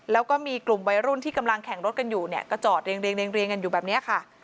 แล้วก็มีกลุ่มวัยรุ่นที่กำลังแข่งรถกันอยู่เนี่ยก็จอดเรียงกันอยู่แบบนี้ค่ะ